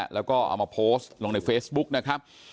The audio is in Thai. แล้วก็เอามาโพสต์ลงในเฟซบุ๊กนะครับ